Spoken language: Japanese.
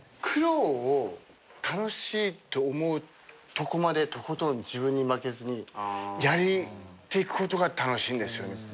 苦労を楽しいって思うとこまでとことん自分に負けずにやっていくことが楽しいんですよね。